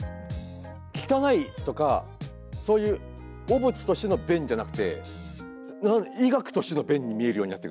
汚いとかそういう汚物としての便じゃなくて医学としての便に見えるようになってくるというか。